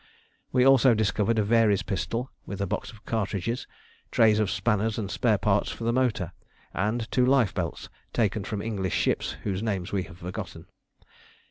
We also discovered a Very's pistol, with a box of cartridges; trays of spanners and spare parts for the motor, and two lifebelts taken from English ships whose names we have forgotten.